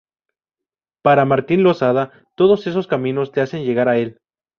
Para Martín Losada, todos esos caminos te hacen llegar a Él.